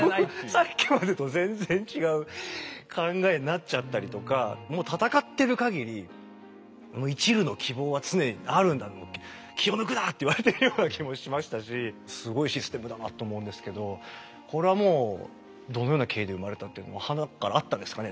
さっきまでと全然違う考えになっちゃったりとかもう戦ってるかぎりいちるの希望は常にあるんだと思って「気を抜くな！」って言われてるような気もしましたしすごいシステムだなと思うんですけどこれはもうどのような経緯で生まれたっていうのははなっからあったんですかね